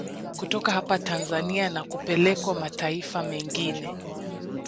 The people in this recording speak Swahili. Kutoka hapa Tanzania na kupelekwa mataifa mengine